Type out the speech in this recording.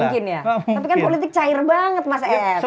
tapi kan politik cair banget mas ed